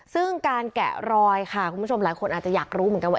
ซึ่งการแกะรอยค่ะคุณผู้ชมหลายคนอาจจะอยากรู้เหมือนกันว่า